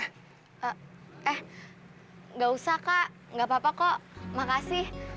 eh nggak usah kak nggak apa apa kok makasih